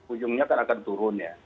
ujungnya kan akan turun ya